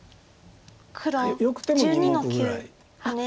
黒１２の九ハネ。